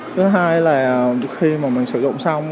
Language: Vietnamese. thứ hai là khi mà mình sử dụng xong